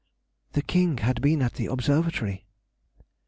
_—The king had been at the Observatory.